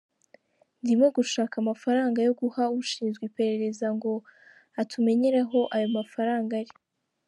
Ndimo gushaka amafaranga yo guha ushinzwe iperereza ngo atumenyere aho ayo mafaranga ari.